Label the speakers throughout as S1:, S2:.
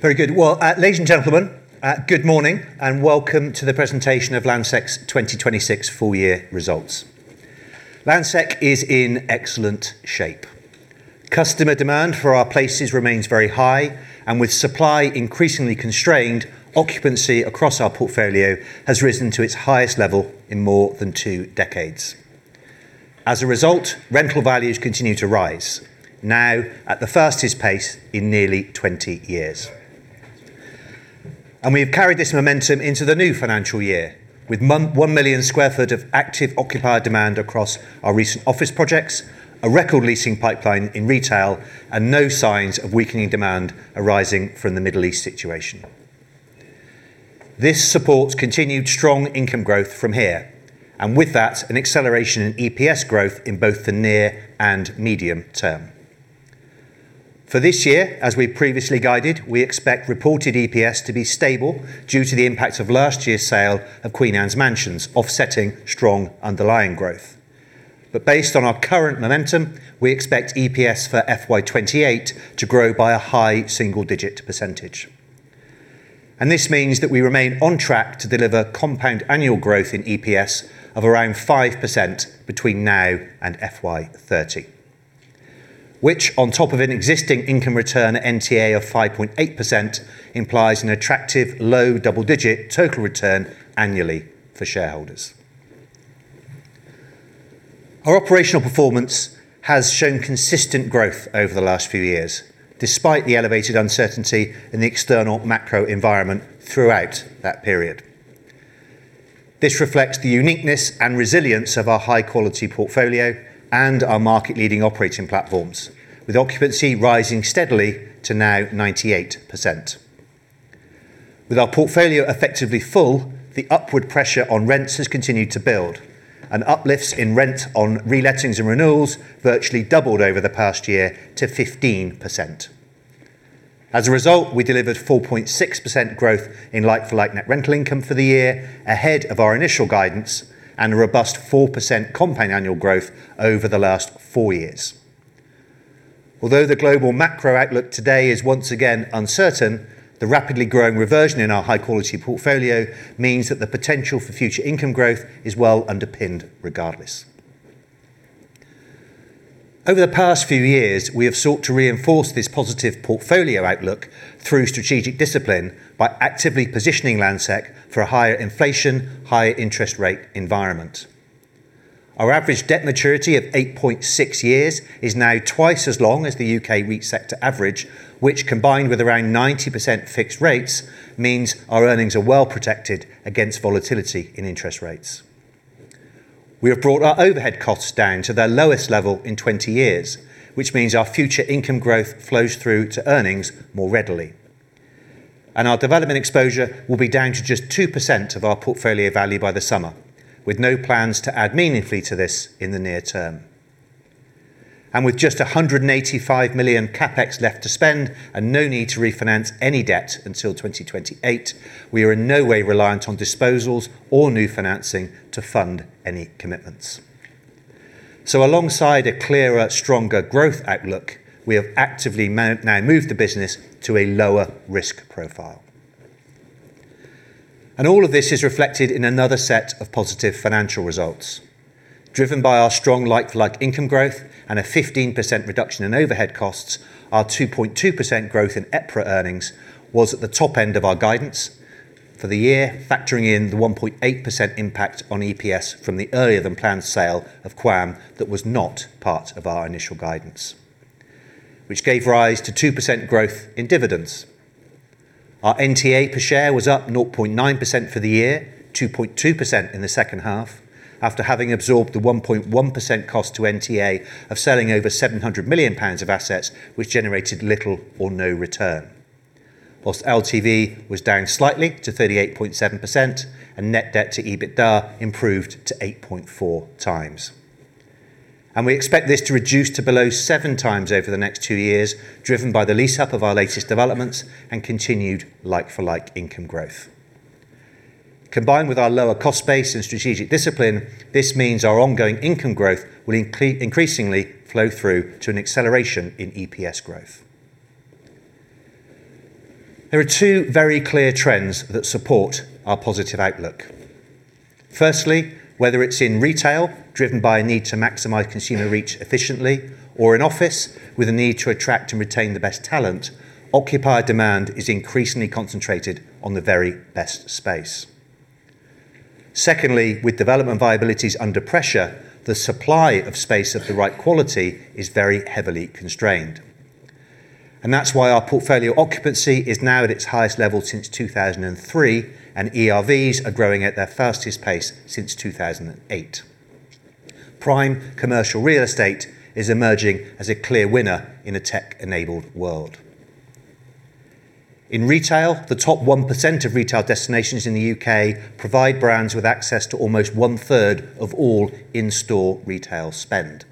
S1: Very good. Well, ladies and gentlemen, good morning, and welcome to the presentation of Landsec's 2026 full year results. Landsec is in excellent shape. Customer demand for our places remains very high, and with supply increasingly constrained, occupancy across our portfolio has risen to its highest level in more than two decades. As a result, rental values continue to rise, now at the fastest pace in nearly 20 years. We've carried this momentum into the new financial year, with 1 million square foot of active occupier demand across our recent office projects, a record leasing pipeline in retail, and no signs of weakening demand arising from the Middle East situation. This supports continued strong income growth from here, and with that, an acceleration in EPS growth in both the near- and medium-term. For this year, as we previously guided, we expect reported EPS to be stable due to the impact of last year's sale of Queen Anne's Mansions, offsetting strong underlying growth. Based on our current momentum, we expect EPS for FY 2028 to grow by a high single-digit %. This means that we remain on track to deliver compound annual growth in EPS of around 5% between now and FY 2030. On top of an existing income return NTA of 5.8%, implies an attractive low double-digit total return annually for shareholders. Our operational performance has shown consistent growth over the last few years, despite the elevated uncertainty in the external macro environment throughout that period. This reflects the uniqueness and resilience of our high-quality portfolio and our market-leading operating platforms, with occupancy rising steadily to now 98%. With our portfolio effectively full, the upward pressure on rents has continued to build, and uplifts in rent on relettings and renewals virtually doubled over the past year to 15%. As a result, we delivered 4.6% growth in like-for-like net rental income for the year, ahead of our initial guidance and a robust 4% compound annual growth over the last four years. Although the global macro outlook today is once again uncertain, the rapidly growing reversion in our high-quality portfolio means that the potential for future income growth is well underpinned regardless. Over the past few years, we have sought to reinforce this positive portfolio outlook through strategic discipline by actively positioning Landsec for a higher inflation, higher interest rate environment. Our average debt maturity of 8.6 years is now twice as long as the UK REIT sector average, which, combined with around 90% fixed rates, means our earnings are well protected against volatility in interest rates. We have brought our overhead costs down to their lowest level in 20 years, which means our future income growth flows through to earnings more readily. Our development exposure will be down to just 2% of our portfolio value by the summer, with no plans to add meaningfully to this in the near-term. With just 185 million CapEx left to spend and no need to refinance any debt until 2028, we are in no way reliant on disposals or new financing to fund any commitments. Alongside a clearer, stronger growth outlook, we have actively now moved the business to a lower risk profile. All of this is reflected in another set of positive financial results. Driven by our strong like-for-like income growth and a 15% reduction in overhead costs, our 2.2% growth in EPRA earnings was at the top end of our guidance for the year, factoring in the 1.8% impact on EPS from the earlier than planned sale of QAM that was not part of our initial guidance, which gave rise to 2% growth in dividends. Our NTA per share was up 0.9% for the year, 2.2% in the second half, after having absorbed the 1.1% cost to NTA of selling over 700 million pounds of assets, which generated little or no return. Whilst LTV was down slightly to 38.7% and net debt to EBITDA improved to 8.4x. We expect this to reduce to below 7x over the next two years, driven by the lease-up of our latest developments and continued like-for-like income growth. Combined with our lower cost base and strategic discipline, this means our ongoing income growth will increasingly flow through to an acceleration in EPS growth. There are two very clear trends that support our positive outlook. Firstly, whether it's in retail, driven by a need to maximize consumer reach efficiently, or in office, with a need to attract and retain the best talent, occupier demand is increasingly concentrated on the very best space. Secondly, with development viabilities under pressure, the supply of space of the right quality is very heavily constrained. That's why our portfolio occupancy is now at its highest level since 2003, and ERVs are growing at their fastest pace since 2008. Prime commercial real estate is emerging as a clear winner in a tech-enabled world. In retail, the top 1% of retail destinations in the U.K. provide brands with access to almost 1/3 of all in-store retail spend.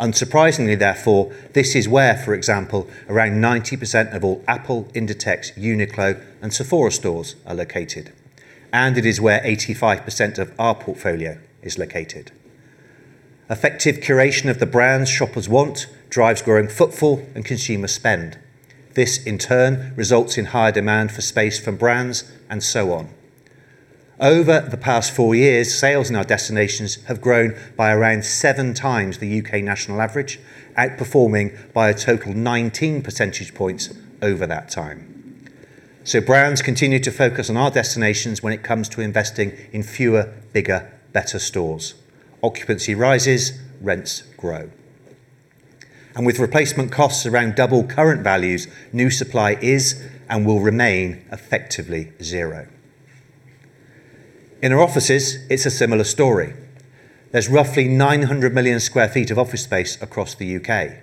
S1: Unsurprisingly, therefore, this is where, for example, around 90% of all Apple, Inditex, Uniqlo, and Sephora stores are located. It is where 85% of our portfolio is located. Effective curation of the brands shoppers want drives growing footfall and consumer spend. This in turn results in higher demand for space from brands and so on. Over the past four years, sales in our destinations have grown by around 7x the U.K. national average, outperforming by a total 19 percentage points over that time. Brands continue to focus on our destinations when it comes to investing in fewer, bigger, better stores. Occupancy rises, rents grow. With replacement costs around double current values, new supply is and will remain effectively zero. In our offices, it's a similar story. There's roughly 900 million sq ft of office space across the U.K.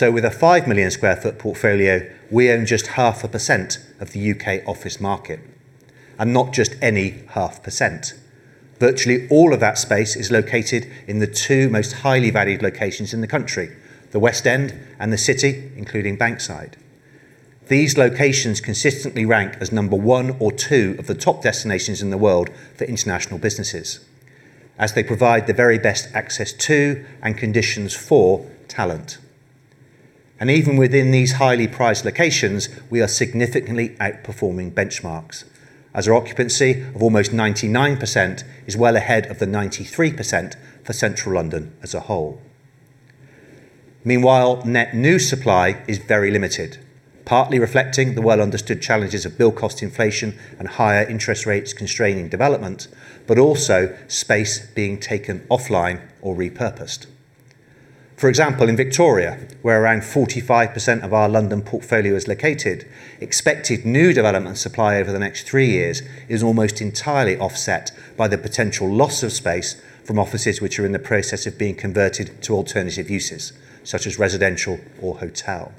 S1: With a 5 million sq ft portfolio, we own just 0.5% of the U.K. office market, and not just any 0.5%. Virtually all of that space is located in the two most highly valued locations in the country, the West End and the City, including Bankside. These locations consistently rank as number one or two of the top destinations in the world for international businesses as they provide the very best access to and conditions for talent. Even within these highly prized locations, we are significantly outperforming benchmarks as our occupancy of almost 99% is well ahead of the 93% for Central London as a whole. Meanwhile, net new supply is very limited, partly reflecting the well-understood challenges of build cost inflation and higher interest rates constraining development, but also space being taken offline or repurposed. For example, in Victoria, where around 45% of our London portfolio is located, expected new development supply over the next three years is almost entirely offset by the potential loss of space from offices which are in the process of being converted to alternative uses, such as residential or hotel.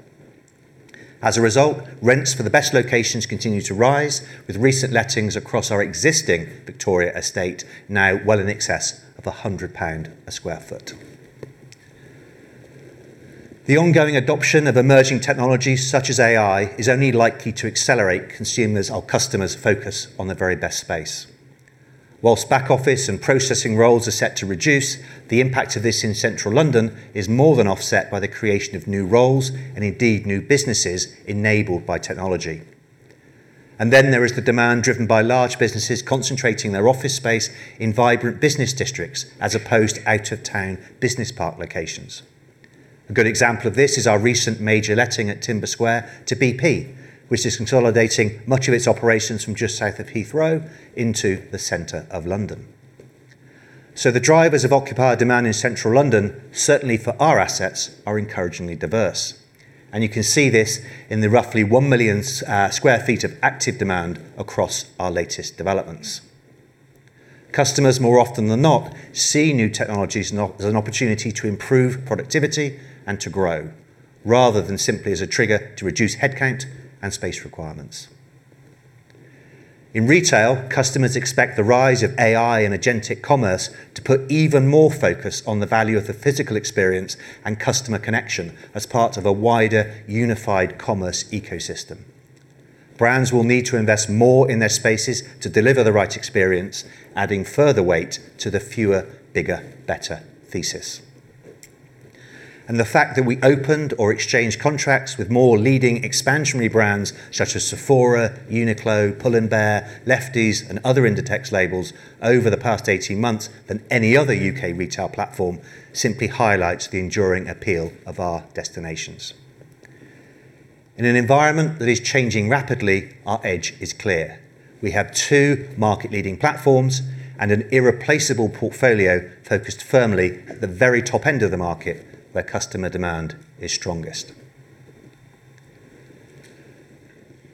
S1: Rents for the best locations continue to rise with recent lettings across our existing Victoria estate now well in excess of 100 pound a sq ft. The ongoing adoption of emerging technologies such as AI is only likely to accelerate consumers or customers' focus on the very best space. Back office and processing roles are set to reduce, the impact of this in central London is more than offset by the creation of new roles and indeed new businesses enabled by technology. There is the demand driven by large businesses concentrating their office space in vibrant business districts as opposed to out of town business park locations. A good example of this is our recent major letting at Timber Square to BP, which is consolidating much of its operations from just south of Heathrow into the center of London. The drivers of occupier demand in central London, certainly for our assets, are encouragingly diverse. You can see this in the roughly 1 million sq ft of active demand across our latest developments. Customers more often than not see new technologies not as an opportunity to improve productivity and to grow, rather than simply as a trigger to reduce headcount and space requirements. In retail, customers expect the rise of AI and agentic commerce to put even more focus on the value of the physical experience and customer connection as part of a wider unified commerce ecosystem. Brands will need to invest more in their spaces to deliver the right experience, adding further weight to the fewer, bigger, better thesis. The fact that we opened or exchanged contracts with more leading expansionary brands such as Sephora, Uniqlo, Pull&Bear, Lefties and other Inditex labels over the past 18 months than any other U.K. retail platform simply highlights the enduring appeal of our destinations. In an environment that is changing rapidly, our edge is clear. We have two market leading platforms and an irreplaceable portfolio focused firmly at the very top end of the market where customer demand is strongest.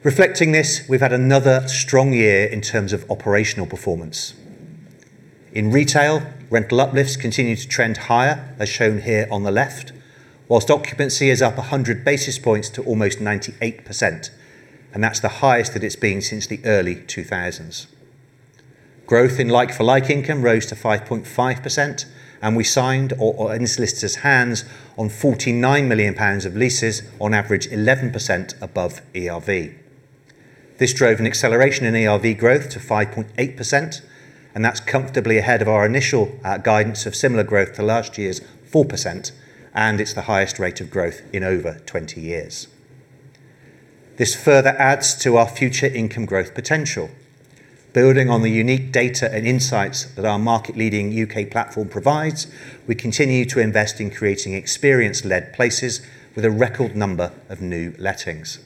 S1: Reflecting this, we've had another strong year in terms of operational performance. In retail, rental uplifts continue to trend higher, as shown here on the left, whilst occupancy is up 100 basis points to almost 98%, and that's the highest that it's been since the early 2000s. Growth in like-for-like income rose to 5.5%, we signed or enlisted as hands on 49 million pounds of leases on average 11% above ERV. This drove an acceleration in ERV growth to 5.8%, that's comfortably ahead of our initial guidance of similar growth to last year's 4%, it's the highest rate of growth in over 20 years. This further adds to our future income growth potential. Building on the unique data and insights that our market leading U.K. platform provides, we continue to invest in creating experience-led places with a record number of new lettings.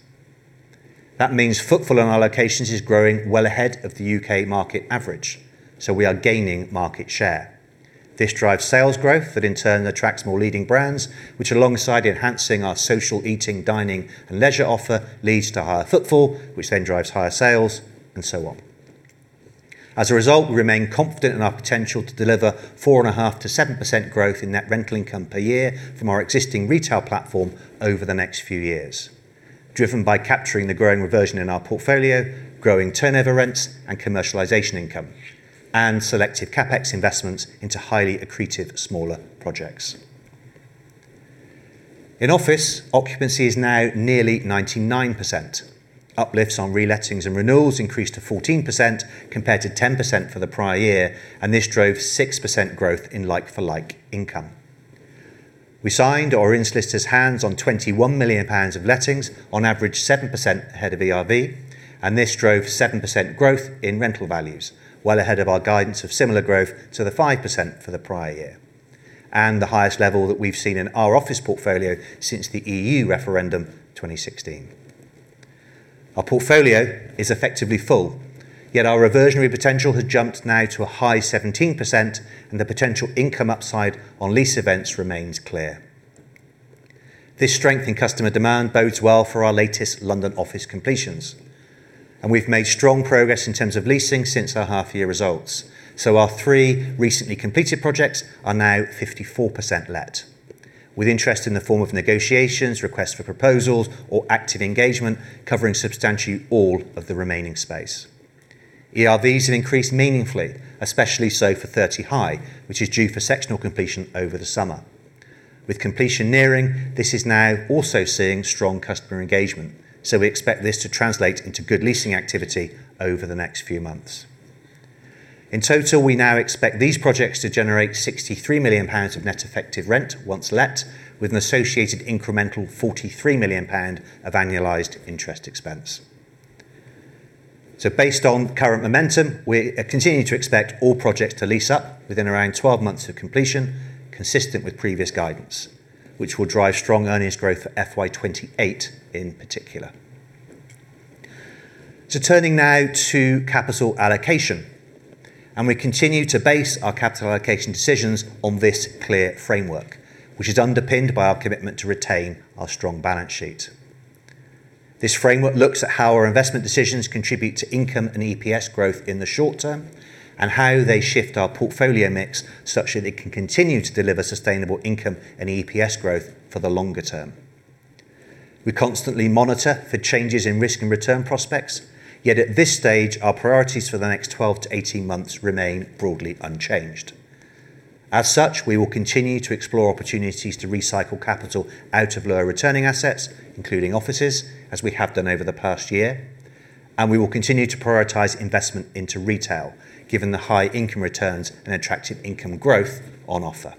S1: That means footfall in our locations is growing well ahead of the U.K. market average, we are gaining market share. This drives sales growth that in turn attracts more leading brands, which alongside enhancing our social eating, dining and leisure offer, leads to higher footfall, which then drives higher sales, and so on. As a result, we remain confident in our potential to deliver 4.5%-7% growth in net rental income per year from our existing retail platform over the next few years, driven by capturing the growing reversion in our portfolio, growing turnover rents and commercialization income, and selective CapEx investments into highly accretive smaller projects. In office, occupancy is now nearly 99%. Uplifts on relettings and renewals increased to 14% compared to 10% for the prior year, and this drove 6% growth in like-for-like income. We signed or in solicitors' hands on 21 million pounds of lettings, on average 7% ahead of ERV, and this drove 7% growth in rental values, well ahead of our guidance of similar growth to the 5% for the prior year, and the highest level that we've seen in our office portfolio since the EU referendum 2016. Our portfolio is effectively full, yet our reversionary potential has jumped now to a high 17%, and the potential income upside on lease events remains clear. This strength in customer demand bodes well for our latest London office completions, and we've made strong progress in terms of leasing since our half year results. Our three recently completed projects are now 54% let, with interest in the form of negotiations, requests for proposals, or active engagement covering substantially all of the remaining space. ERVs have increased meaningfully, especially so for Thirty High, which is due for sectional completion over the summer. With completion nearing, this is now also seeing strong customer engagement, we expect this to translate into good leasing activity over the next few months. In total, we now expect these projects to generate 63 million pounds of net effective rent once let, with an associated incremental 43 million pound of annualized interest expense. Based on current momentum, we continue to expect all projects to lease up within around 12 months of completion, consistent with previous guidance, which will drive strong earnings growth for FY 2028 in particular. Turning now to capital allocation, we continue to base our capital allocation decisions on this clear framework, which is underpinned by our commitment to retain our strong balance sheet. This framework looks at how our investment decisions contribute to income and EPS growth in the short term, and how they shift our portfolio mix such that it can continue to deliver sustainable income and EPS growth for the longer-term. We constantly monitor for changes in risk and return prospects. At this stage, our priorities for the next 12-18 months remain broadly unchanged. As such, we will continue to explore opportunities to recycle capital out of lower returning assets, including offices, as we have done over the past year, and we will continue to prioritize investment into retail, given the high income returns and attractive income growth on offer.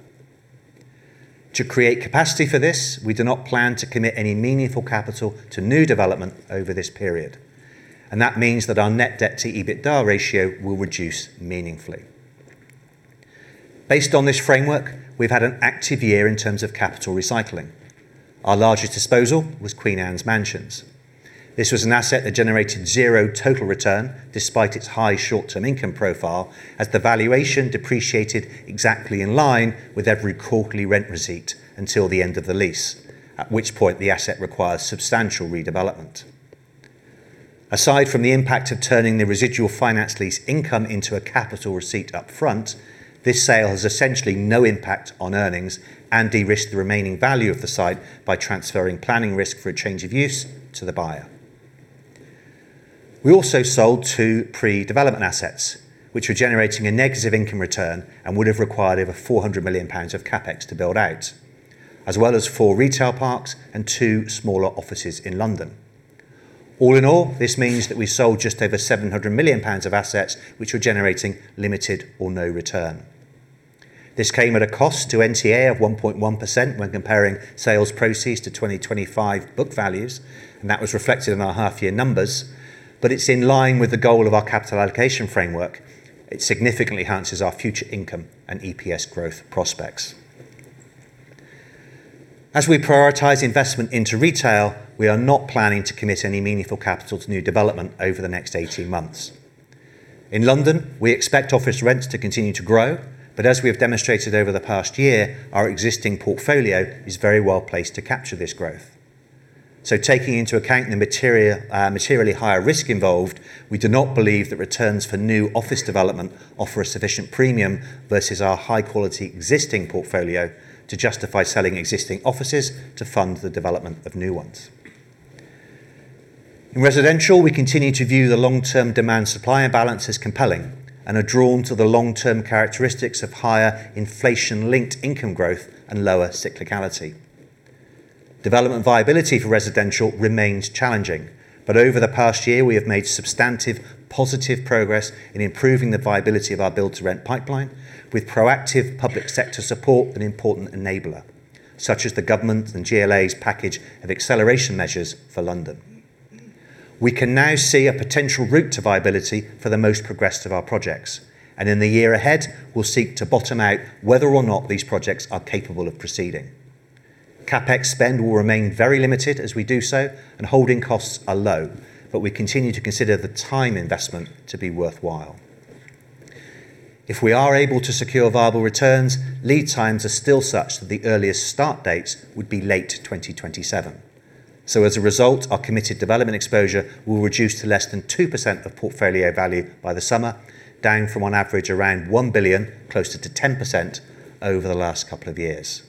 S1: To create capacity for this, we do not plan to commit any meaningful capital to new development over this period, and that means that our net debt to EBITDA ratio will reduce meaningfully. Based on this framework, we've had an active year in terms of capital recycling. Our largest disposal was Queen Anne's Mansions. This was an asset that generated zero total return despite its high short-term income profile, as the valuation depreciated exactly in line with every quarterly rent receipt until the end of the lease, at which point the asset requires substantial redevelopment. Aside from the impact of turning the residual finance lease income into a capital receipt up front, this sale has essentially no impact on earnings and de-risked the remaining value of the site by transferring planning risk for a change of use to the buyer. We also sold two pre-development assets, which were generating a negative income return and would have required over 400 million pounds of CapEx to build out, as well as 4 retail parks and two smaller offices in London. All in all, this means that we sold just over 700 million pounds of assets which were generating limited or no return. This came at a cost to NTA of 1.1% when comparing sales proceeds to 2025 book values, and that was reflected in our half year numbers, but it's in line with the goal of our capital allocation framework. It significantly enhances our future income and EPS growth prospects. As we prioritize investment into retail, we are not planning to commit any meaningful capital to new development over the next 18 months. In London, we expect office rents to continue to grow, but as we have demonstrated over the past year, our existing portfolio is very well placed to capture this growth. Taking into account the materially higher risk involved, we do not believe that returns for new office development offer a sufficient premium versus our high quality existing portfolio to justify selling existing offices to fund the development of new ones. In residential, we continue to view the long-term demand supply and balance as compelling and are drawn to the long-term characteristics of higher inflation-linked income growth and lower cyclicality. Development viability for residential remains challenging, but over the past year, we have made substantive positive progress in improving the viability of our build-to-rent pipeline with proactive public sector support an important enabler, such as the government and GLA's package of acceleration measures for London. We can now see a potential route to viability for the most progressed of our projects, and in the year ahead, we'll seek to bottom out whether or not these projects are capable of proceeding. CapEx spend will remain very limited as we do so, and holding costs are low, but we continue to consider the time investment to be worthwhile. If we are able to secure viable returns, lead times are still such that the earliest start dates would be late 2027. As a result, our committed development exposure will reduce to less than 2% of portfolio value by the summer, down from on average around 1 billion, closer to 10% over the last couple of years.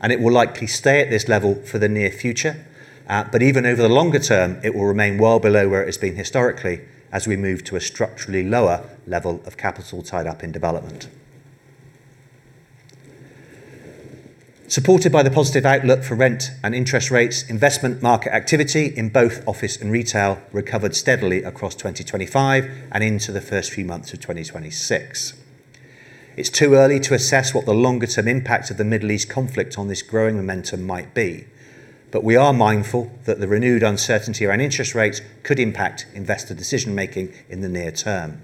S1: It will likely stay at this level for the near future, but even over the longer-term, it will remain well below where it's been historically as we move to a structurally lower level of capital tied up in development. Supported by the positive outlook for rent and interest rates, investment market activity in both office and retail recovered steadily across 2025 and into the first few months of 2026. It's too early to assess what the longer-term impact of the Middle East conflict on this growing momentum might be. We are mindful that the renewed uncertainty around interest rates could impact investor decision-making in the near-term.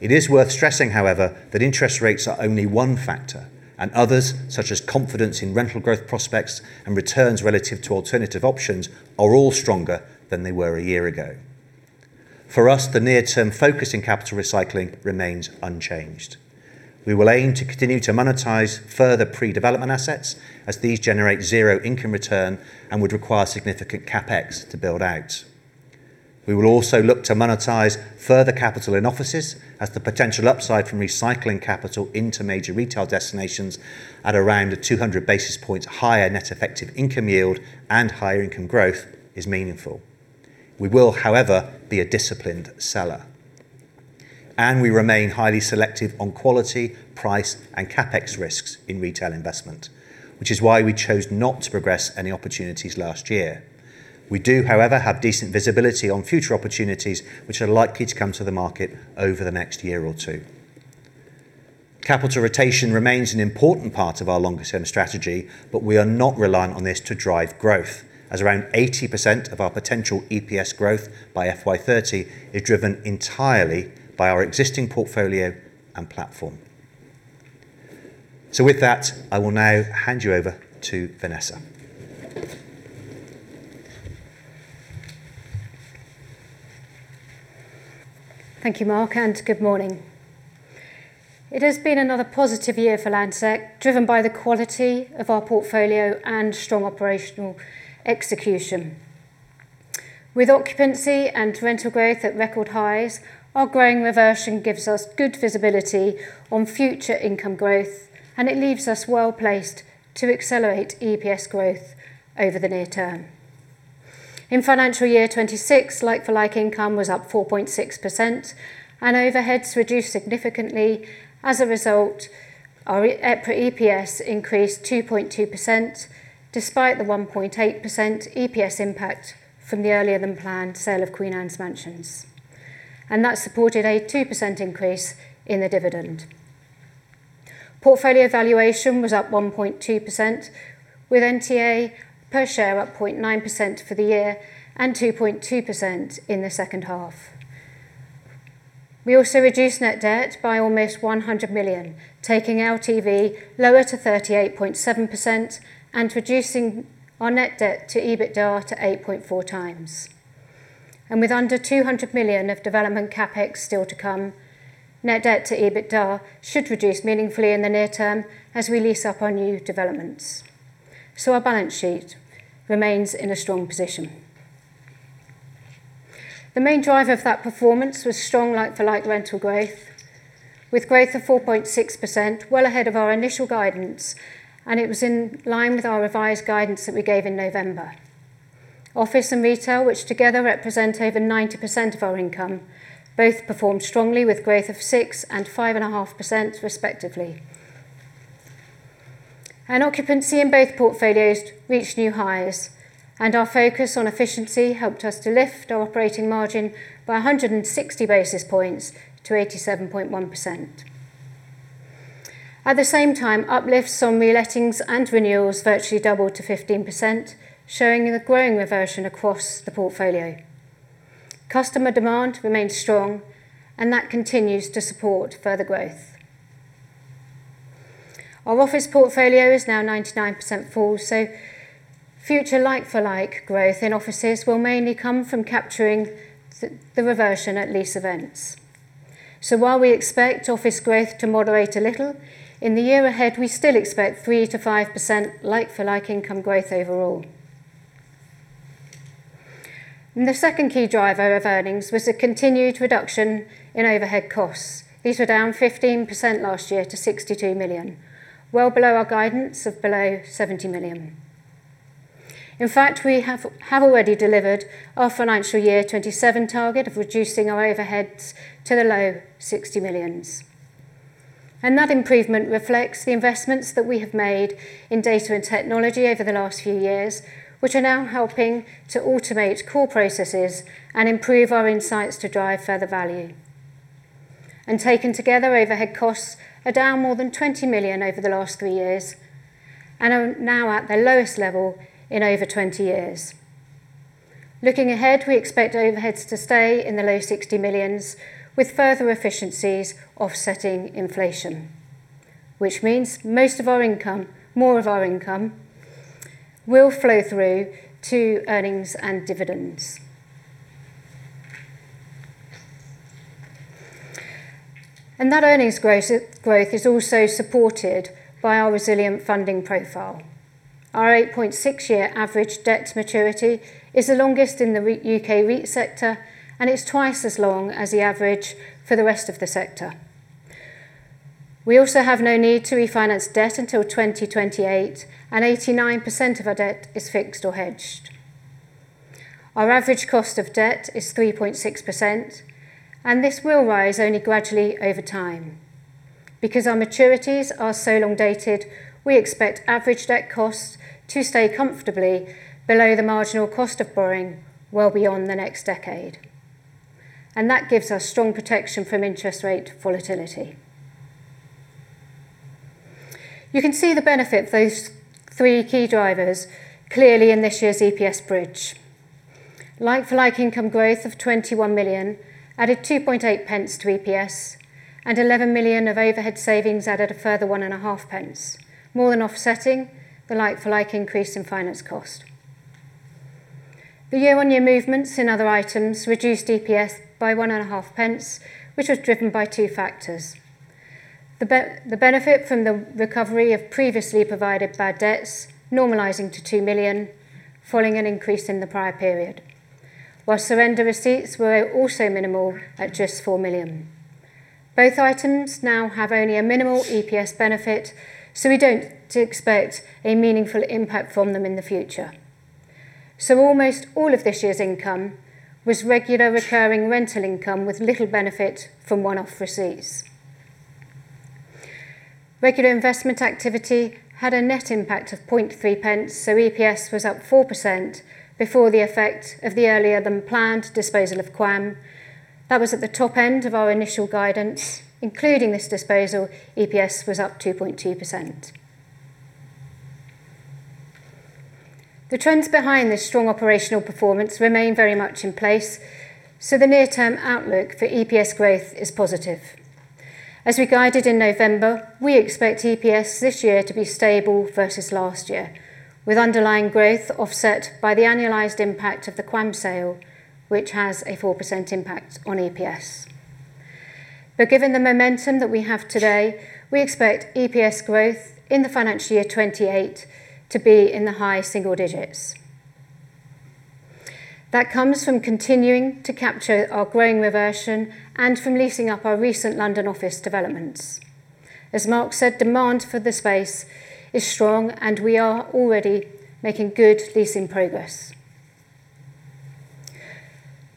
S1: It is worth stressing, however, that interest rates are only one factor, and others, such as confidence in rental growth prospects and returns relative to alternative options, are all stronger than they were a year ago. For us, the near-term focus in capital recycling remains unchanged. We will aim to continue to monetize further pre-development assets as these generate zero income return and would require significant CapEx to build out. We will also look to monetize further capital in offices as the potential upside from recycling capital into major retail destinations at around a 200 basis points higher net effective income yield and higher income growth is meaningful. We will, however, be a disciplined seller. We remain highly selective on quality, price, and CapEx risks in retail investment, which is why we chose not to progress any opportunities last year. We do, however, have decent visibility on future opportunities which are likely to come to the market over the next year or two. Capital rotation remains an important part of our longer-term strategy, but we are not reliant on this to drive growth, as around 80% of our potential EPS growth by FY 2030 is driven entirely by our existing portfolio and platform. With that, I will now hand you over to Vanessa.
S2: Thank you, Mark, and good morning. It has been another positive year for Landsec, driven by the quality of our portfolio and strong operational execution. With occupancy and rental growth at record highs, our growing reversion gives us good visibility on future income growth. It leaves us well-placed to accelerate EPS growth over the near-term. In financial year 2026, like-for-like income was up 4.6%. Overheads reduced significantly. As a result, our EPS increased 2.2% despite the 1.8% EPS impact from the earlier than planned sale of Queen Anne's Mansions. That supported a 2% increase in the dividend. Portfolio valuation was up 1.2%, with NTA per share up 0.9% for the year. 2.2% in the second half. We also reduced net debt by almost 100 million, taking our LTV lower to 38.7% and reducing our net debt to EBITDA to 8.4x. With under 200 million of development CapEx still to come, net debt to EBITDA should reduce meaningfully in the near-term as we lease up our new developments. Our balance sheet remains in a strong position. The main driver of that performance was strong like-for-like rental growth, with growth of 4.6% well ahead of our initial guidance, and it was in line with our revised guidance that we gave in November. Office and retail, which together represent over 90% of our income, both performed strongly with growth of 6% and 5.5% respectively. Occupancy in both portfolios reached new highs, our focus on efficiency helped us to lift our operating margin by 160 basis points to 87.1%. At the same time, uplifts on relettings and renewals virtually doubled to 15%, showing the growing reversion across the portfolio. Customer demand remains strong, and that continues to support further growth. Our office portfolio is now 99% full, so future like-for-like growth in offices will mainly come from capturing the reversion at lease events. While we expect office growth to moderate a little, in the year ahead, we still expect 3%-5% like-for-like income growth overall. The second key driver of earnings was a continued reduction in overhead costs. These were down 15% last year to 62 million, well below our guidance of below 70 million. In fact, we have already delivered our financial year 27 target of reducing our overheads to the low 60 million. That improvement reflects the investments that we have made in data and technology over the last few years, which are now helping to automate core processes and improve our insights to drive further value. Taken together, overhead costs are down more than 20 million over the last three years and are now at their lowest level in over 20 years. Looking ahead, we expect overheads to stay in the low 60 million, with further efficiencies offsetting inflation, which means most of our income, more of our income will flow through to earnings and dividends. That earnings growth is also supported by our resilient funding profile. Our 8.6-year average debt maturity is the longest in the U.K. REIT sector, and it's twice as long as the average for the rest of the sector. We also have no need to refinance debt until 2028, and 89% of our debt is fixed or hedged. Our average cost of debt is 3.6%, and this will rise only gradually over time. Because our maturities are so long dated, we expect average debt costs to stay comfortably below the marginal cost of borrowing well beyond the next decade. That gives us strong protection from interest rate volatility. You can see the benefit of those three key drivers clearly in this year's EPS bridge. Like-for-like income growth of 21 million added 0.028 to EPS, and 11 million of overhead savings added a further 0.015, more than offsetting the like-for-like increase in finance cost. The year-over-year movements in other items reduced EPS by 0.015, which was driven by two factors. The benefit from the recovery of previously provided bad debts normalizing to 2 million, following an increase in the prior period, while surrender receipts were also minimal at just 4 million. Both items now have only a minimal EPS benefit, we don't expect a meaningful impact from them in the future. Almost all of this year's income was regular recurring rental income with little benefit from one-off receipts. Regular investment activity had a net impact of 0.003. EPS was up 4% before the effect of the earlier than planned disposal of QAM. That was at the top end of our initial guidance. Including this disposal, EPS was up 2.2%. The trends behind this strong operational performance remain very much in place. The near-term outlook for EPS growth is positive. As we guided in November, we expect EPS this year to be stable versus last year, with underlying growth offset by the annualized impact of the QAM sale, which has a 4% impact on EPS. Given the momentum that we have today, we expect EPS growth in the financial year 2028 to be in the high single-digits. That comes from continuing to capture our growing reversion and from leasing up our recent London office developments. As Mark said, demand for the space is strong, and we are already making good leasing progress.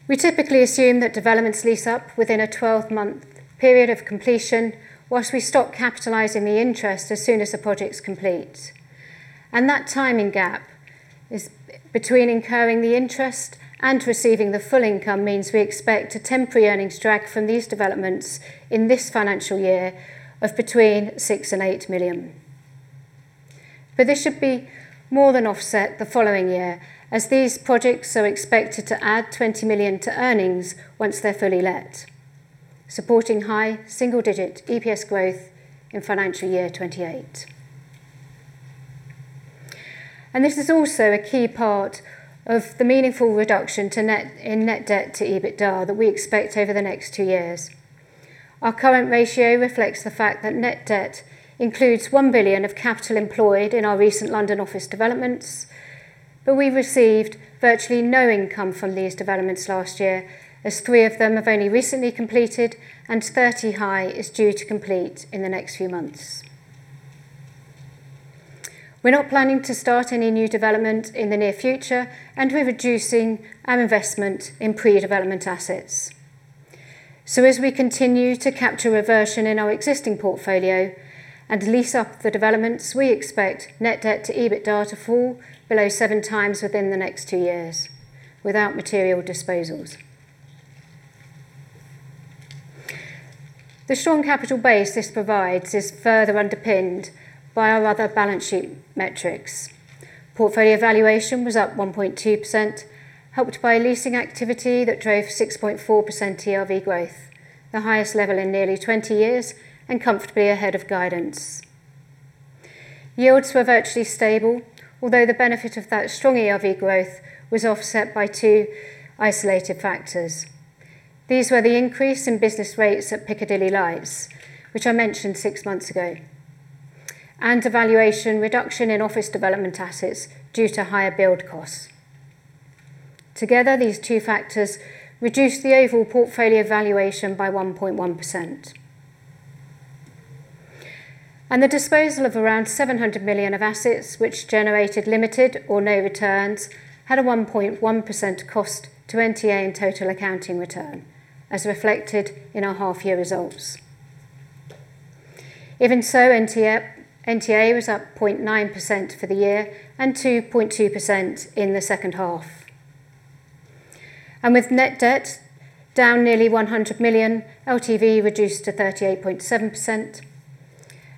S2: We typically assume that developments lease up within a 12-month period of completion whilst we stop capitalizing the interest as soon as the project's complete. That timing gap is, between incurring the interest and receiving the full income means we expect a temporary earnings drag from these developments in this financial year of between 6 million-8 million. This should be more than offset the following year as these projects are expected to add 20 million to earnings once they're fully let, supporting high single-digit EPS growth in financial year 2028. This is also a key part of the meaningful reduction in net debt to EBITDA that we expect over the next two years. Our current ratio reflects the fact that net debt includes 1 billion of capital employed in our recent London office developments, but we received virtually no income from these developments last year, as three of them have only recently completed, and Thirty High is due to complete in the next few months. We're not planning to start any new development in the near future, and we're reducing our investment in pre-development assets. As we continue to capture reversion in our existing portfolio and lease up the developments, we expect net debt to EBITDA to fall below 7x within the next 2 years without material disposals. The strong capital base this provides is further underpinned by our other balance sheet metrics. Portfolio valuation was up 1.2%, helped by leasing activity that drove 6.4% ERV growth, the highest level in nearly 20 years and comfortably ahead of guidance. Yields were virtually stable, although the benefit of that strong ERV growth was offset by two isolated factors. These were the increase in business rates at Piccadilly Lights, which I mentioned six months ago, and a valuation reduction in office development assets due to higher build costs. Together, these two factors reduced the overall portfolio valuation by 1.1%. The disposal of around 700 million of assets which generated limited or no returns had a 1.1% cost to NTA in total accounting return, as reflected in our half-year results. Even so, NTA was up 0.9% for the year and 2.2% in the second half. With net debt down nearly 100 million, LTV reduced to 38.7%.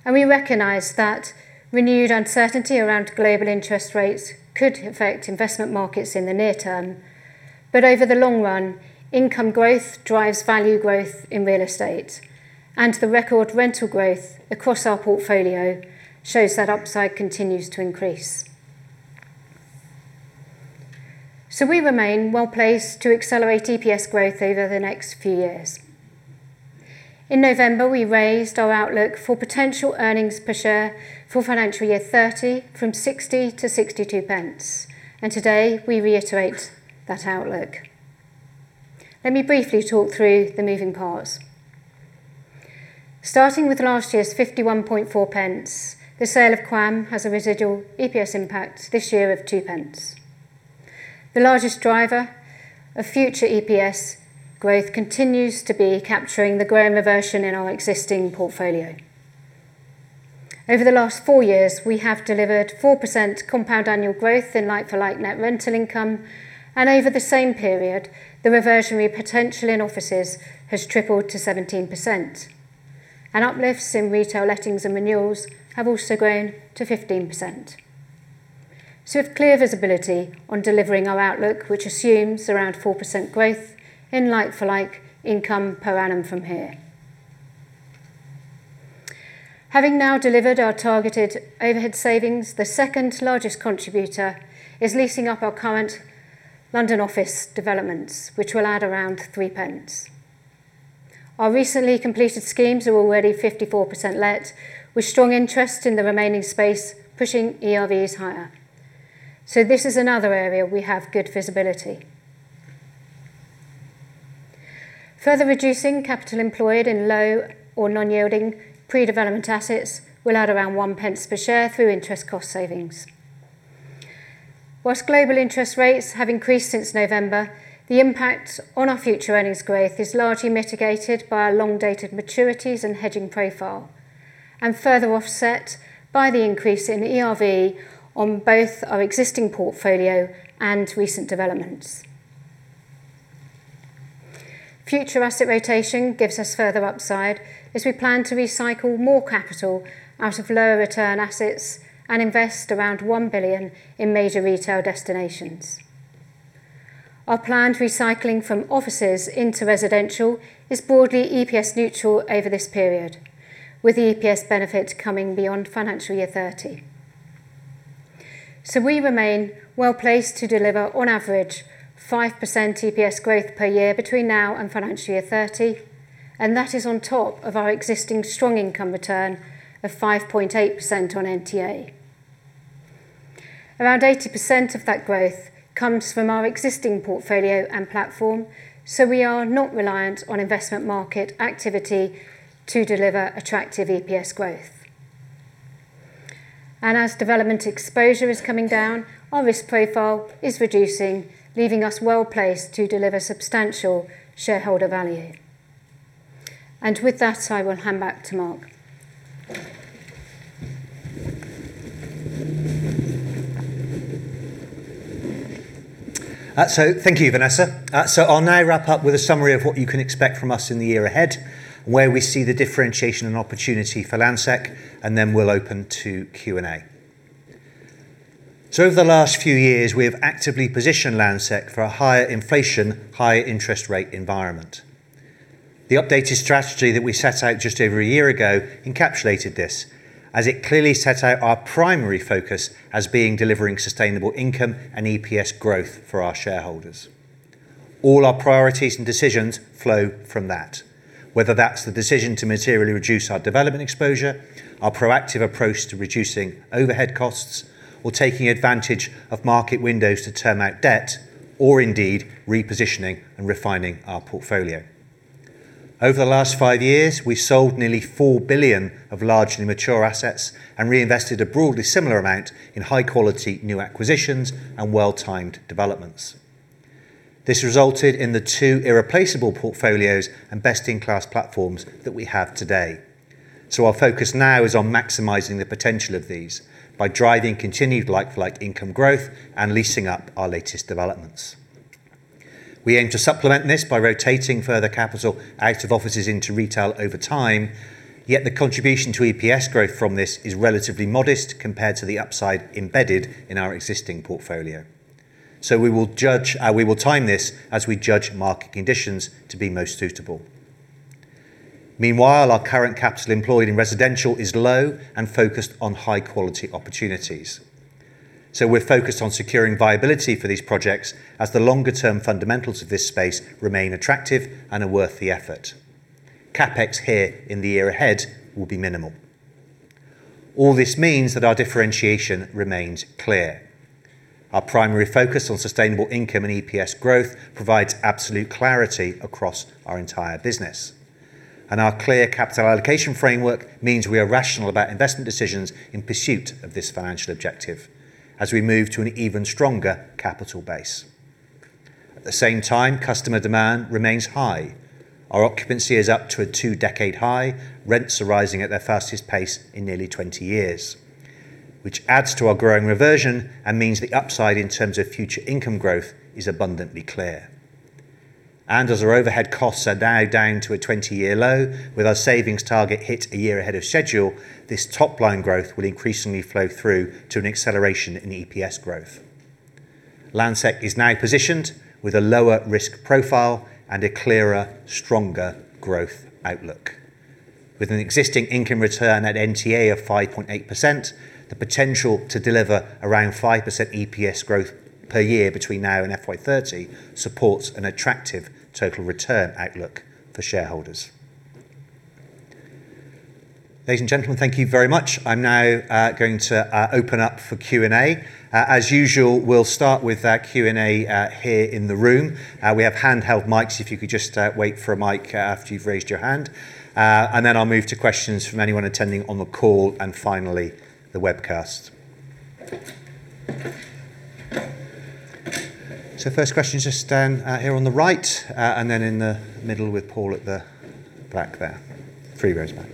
S2: We recognize that renewed uncertainty around global interest rates could affect investment markets in the near-term. Over the long run, income growth drives value growth in real estate. The record rental growth across our portfolio shows that upside continues to increase. We remain well-placed to accelerate EPS growth over the next few years. In November, we raised our outlook for potential earnings per share for financial year 2030 from 0.60-0.62. Today, we reiterate that outlook. Let me briefly talk through the moving parts. Starting with last year's 0.514, the sale of QAM has a residual EPS impact this year of 0.02. The largest driver of future EPS growth continues to be capturing the growing reversion in our existing portfolio. Over the last four years, we have delivered 4% compound annual growth in like-for-like net rental income. Over the same period, the reversionary potential in offices has tripled to 17%. Uplifts in retail lettings and renewals have also grown to 15%. We have clear visibility on delivering our outlook, which assumes around 4% growth in like-for-like income per annum from here. Having now delivered our targeted overhead savings, the second-largest contributor is leasing up our current London office developments, which will add around 0.03. Our recently completed schemes are already 54% let with strong interest in the remaining space, pushing ERVs higher. This is another area we have good visibility. Further reducing capital employed in low or non-yielding pre-development assets will add around 0.01 per share through interest cost savings. Whilst global interest rates have increased since November, the impact on our future earnings growth is largely mitigated by our long dated maturities and hedging profile, and further offset by the increase in the ERV on both our existing portfolio and recent developments. Future asset rotation gives us further upside as we plan to recycle more capital out of lower return assets and invest around 1 billion in major retail destinations. Our planned recycling from offices into residential is broadly EPS neutral over this period, with the EPS benefit coming beyond financial year 2030. We remain well-placed to deliver on average 5% EPS growth per year between now and financial year 2030, and that is on top of our existing strong income return of 5.8% on NTA. Around 80% of that growth comes from our existing portfolio and platform, so we are not reliant on investment market activity to deliver attractive EPS growth. As development exposure is coming down, our risk profile is reducing, leaving us well-placed to deliver substantial shareholder value. With that, I will hand back to Mark.
S1: Thank you, Vanessa. I'll now wrap up with a summary of what you can expect from us in the year ahead, where we see the differentiation and opportunity for Landsec, and then we'll open to Q&A. Over the last few years, we have actively positioned Landsec for a higher inflation, higher interest rate environment. The updated strategy that we set out just over a year ago encapsulated this, as it clearly set out our primary focus as being delivering sustainable income and EPS growth for our shareholders. All our priorities and decisions flow from that, whether that's the decision to materially reduce our development exposure, our proactive approach to reducing overhead costs, or taking advantage of market windows to term out debt, or indeed repositioning and refining our portfolio. Over the last five years, we sold nearly 4 billion of largely mature assets and reinvested a broadly similar amount in high quality new acquisitions and well-timed developments. This resulted in the two irreplaceable portfolios and best-in-class platforms that we have today. Our focus now is on maximizing the potential of these by driving continued like-for-like income growth and leasing up our latest developments. We aim to supplement this by rotating further capital out of offices into retail over time, yet the contribution to EPS growth from this is relatively modest compared to the upside embedded in our existing portfolio. We will time this as we judge market conditions to be most suitable. Meanwhile, our current capital employed in residential is low and focused on high quality opportunities. We're focused on securing viability for these projects as the longer-term fundamentals of this space remain attractive and are worth the effort. CapEx here in the year ahead will be minimal. All this means that our differentiation remains clear. Our primary focus on sustainable income and EPS growth provides absolute clarity across our entire business. Our clear capital allocation framework means we are rational about investment decisions in pursuit of this financial objective as we move to an even stronger capital base. At the same time, customer demand remains high. Our occupancy is up to a two-decade high. Rents are rising at their fastest pace in nearly 20 years, which adds to our growing reversion and means the upside in terms of future income growth is abundantly clear. As our overhead costs are now down to a 20-year low, with our savings target hit a year ahead of schedule, this top line growth will increasingly flow through to an acceleration in EPS growth. Landsec is now positioned with a lower risk profile and a clearer, stronger growth outlook. With an existing income return at NTA of 5.8%, the potential to deliver around 5% EPS growth per year between now and FY 2030 supports an attractive total return outlook for shareholders. Ladies and gentlemen, thank you very much. I'm now going to open up for Q&A. As usual, we'll start with Q&A here in the room. We have handheld mics, if you could just wait for a mic after you've raised your hand. Then I'll move to questions from anyone attending on the call, and finally, the webcast. First question, just stand here on the right, and then in the middle with Paul at the back there. Three rows back.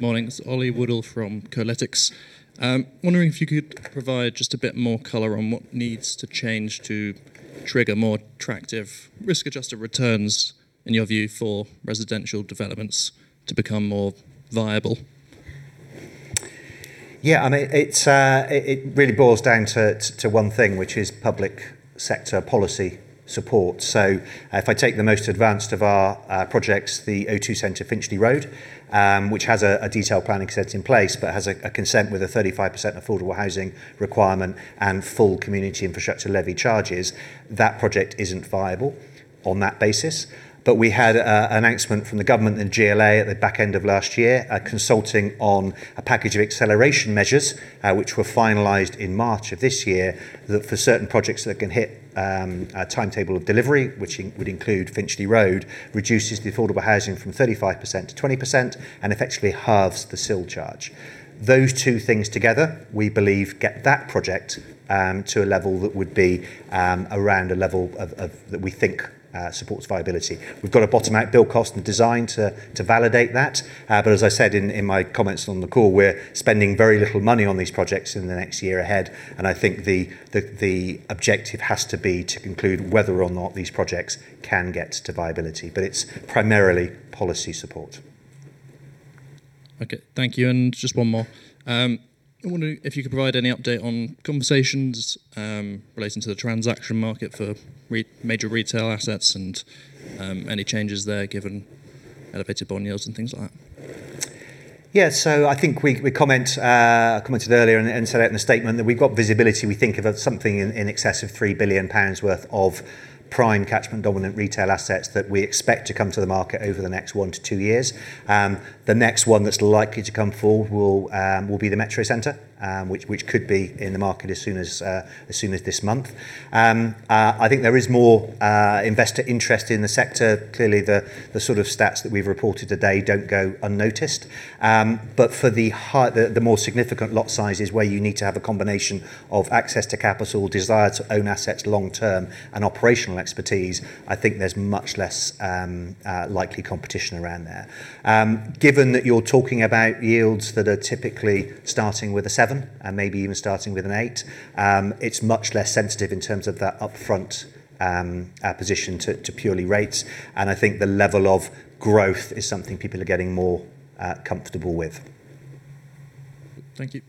S3: Morning. It's Oliver Woodall from Kolytics, wondering if you could provide just a bit more color on what needs to change to trigger more attractive risk-adjusted returns, in your view, for residential developments to become more viable.
S1: It really boils down to one thing, which is public sector policy support. If I take the most advanced of our projects, the O2 Centre Finchley Road, which has a detailed planning set in place but has a consent with a 35% affordable housing requirement and full Community Infrastructure Levy charges, that project isn't viable on that basis. We had an announcement from the government and GLA at the back end of last year, consulting on a package of acceleration measures, which were finalized in March of this year, that for certain projects that can hit a timetable of delivery, which would include Finchley Road, reduces the affordable housing from 35%-20% and effectively halves the CIL charge. Those two things together, we believe, get that project to a level that would be around a level of that we think supports viability. We've got to bottom out build cost and design to validate that. As I said in my comments on the call, we're spending very little money on these projects in the next year ahead, and I think the objective has to be to conclude whether or not these projects can get to viability. It's primarily policy support.
S3: Okay. Thank you. Just one more. I wonder if you could provide any update on conversations relating to the transaction market for major retail assets and any changes there, given elevated bond yields and things like that?
S1: Yeah. I think we comment earlier and said out in the statement that we've got visibility. We think of something in excess of 3 billion pounds worth of prime catchment dominant retail assets that we expect to come to the market over the next one to two years. The next one that's likely to come forward will be the Metrocentre, which could be in the market as soon as this month. I think there is more investor interest in the sector. Clearly, the sort of stats that we've reported today don't go unnoticed. For the more significant lot sizes where you need to have a combination of access to capital, desire to own assets long-term, and operational expertise, I think there's much less likely competition around there. Given that you're talking about yields that are typically starting with a 7% and maybe even starting with an 8%, it's much less sensitive in terms of that upfront position to purely rates, and I think the level of growth is something people are getting more comfortable with.
S3: Thank you.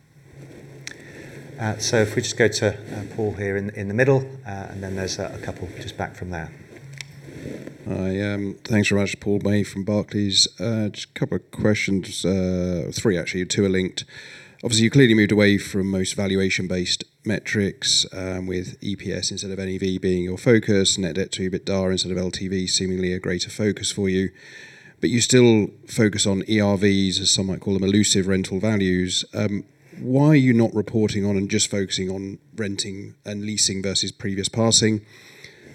S1: If we just go to Paul here in the middle, and then there's a couple just back from there.
S4: Thanks very much. Paul May from Barclays. Just a couple of questions. Three, actually. Two are linked. Obviously, you clearly moved away from most valuation-based metrics, with EPS instead of NAV being your focus, net debt to EBITDA instead of LTV seemingly a greater focus for you. You still focus on ERVs, as some might call them, elusive rental values. Why are you not reporting on and just focusing on renting and leasing versus previous passing?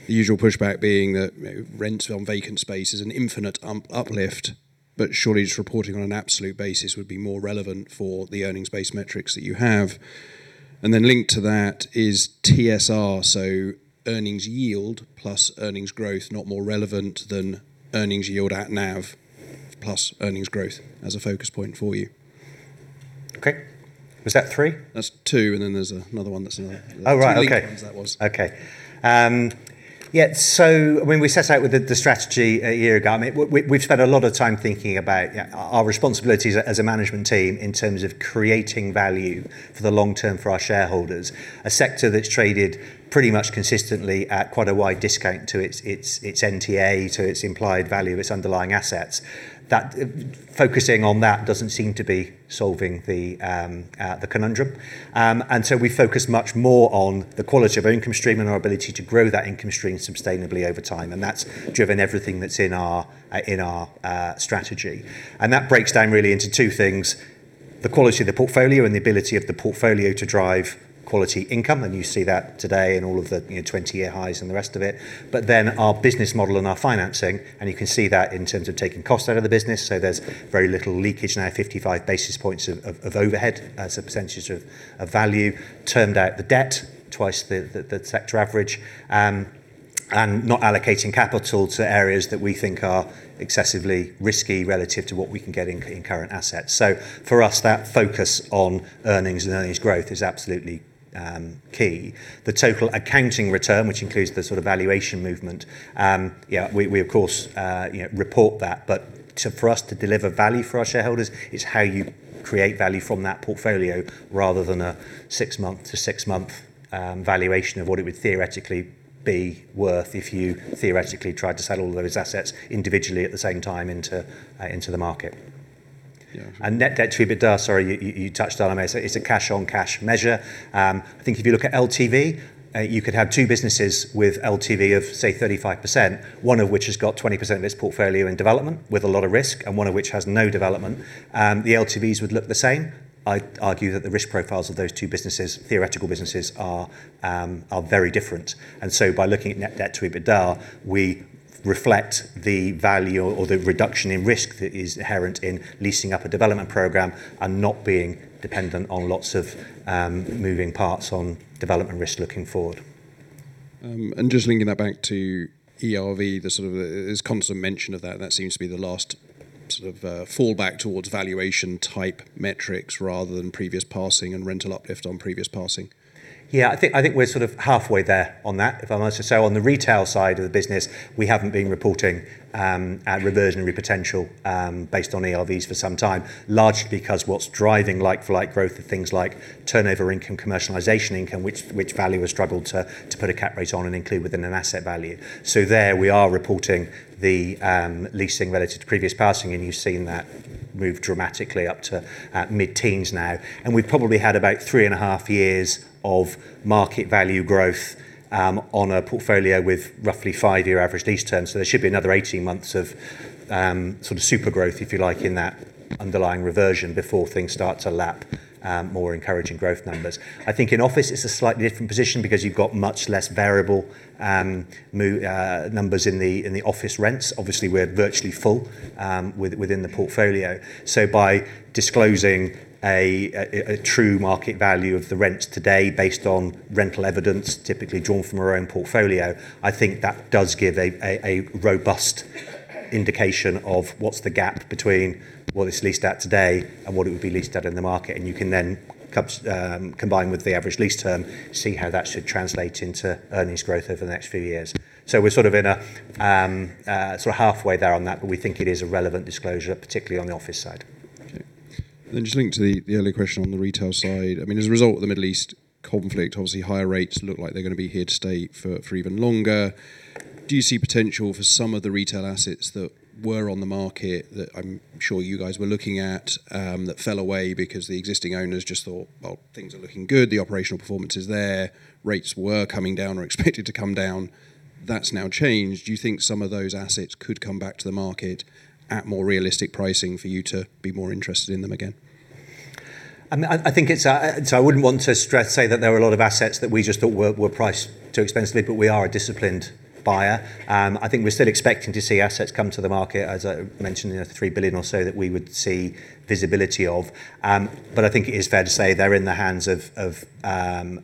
S4: The usual pushback being that, you know, rent on vacant space is an infinite uplift, surely just reporting on an absolute basis would be more relevant for the earnings-based metrics that you have. Linked to that is TSR, earnings yield plus earnings growth not more relevant than earnings yield at NAV plus earnings growth as a focus point for you.
S1: Okay. Was that three?
S4: That's two, and then there's another one.
S1: Oh, right. Okay.
S4: linked ones that was.
S1: When we set out with the strategy a year ago, I mean, we've spent a lot of time thinking about, you know, our responsibilities as a management team in terms of creating value for the long-term for our shareholders. A sector that's traded pretty much consistently at quite a wide discount to its NTA, to its implied value of its underlying assets. Focusing on that doesn't seem to be solving the conundrum. We focus much more on the quality of our income stream and our ability to grow that income stream sustainably over time, and that's driven everything that's in our strategy. That breaks down really into two things, the quality of the portfolio and the ability of the portfolio to drive quality income, you see that today in all of the 20-year highs and the rest of it. Our business model and our financing, and you can see that in terms of taking cost out of the business, so there's very little leakage now, 55 basis points of overhead as a percentage of value, turned out the debt twice the sector average, and not allocating capital to areas that we think are excessively risky relative to what we can get in current assets. For us, that focus on earnings and earnings growth is absolutely key. The total accounting return, which includes the sort of valuation movement, you know, we of course report that. For us to deliver value for our shareholders is how you create value from that portfolio rather than a six-month to six-month valuation of what it would theoretically be worth if you theoretically tried to sell all those assets individually at the same time into the market. Net debt to EBITDA, sorry, you touched on, it's a cash on cash measure. I think if you look at LTV, you could have two businesses with LTV of say 35%, one of which has got 20% of its portfolio in development with a lot of risk, and one of which has no development. The LTVs would look the same. I'd argue that the risk profiles of those two businesses, theoretical businesses are very different. By looking at net debt to EBITDA, we reflect the value or the reduction in risk that is inherent in leasing up a development program and not being dependent on lots of moving parts on development risk looking forward.
S4: Just linking that back to ERV, there's constant mention of that, and that seems to be the last fallback towards valuation type metrics rather than previous passing and rental uplift on previous passing.
S1: Yeah, I think we're sort of halfway there on that, if I must just say. On the retail side of the business, we haven't been reporting our reversionary potential based on ERVs for some time, largely because what's driving like for like growth are things like turnover income, commercialization income, which value has struggled to put a cap rate on and include within an asset value. There we are reporting the leasing relative to previous passing, and you've seen that move dramatically up to mid-teens now. We've probably had about 3.5 years of market value growth on a portfolio with roughly five-year average lease terms. There should be another 18 months of sort of super growth, if you like, in that underlying reversion before things start to lap more encouraging growth numbers. I think in office, it's a slightly different position because you've got much less variable numbers in the office rents. Obviously, we're virtually full within the portfolio. By disclosing a true market value of the rents today based on rental evidence, typically drawn from our own portfolio, I think that does give a robust indication of what's the gap between what it's leased at today and what it would be leased at in the market. You can then combine with the average lease term, see how that should translate into earnings growth over the next few years. We're sort of in a sort of halfway there on that, but we think it is a relevant disclosure, particularly on the office side.
S4: Okay. Just linking to the earlier question on the retail side. I mean, as a result of the Middle East conflict, obviously higher rates look like they're gonna be here to stay for even longer. Do you see potential for some of the retail assets that were on the market that I'm sure you guys were looking at, that fell away because the existing owners just thought, "Well, things are looking good. The operational performance is there. Rates were coming down or expected to come down." That's now changed. Do you think some of those assets could come back to the market at more realistic pricing for you to be more interested in them again?
S1: I wouldn't want to say that there are a lot of assets that we just thought were priced too expensively. We are a disciplined buyer. I think we're still expecting to see assets come to the market, as I mentioned, you know, 3 billion or so that we would see visibility of. I think it is fair to say they're in the hands of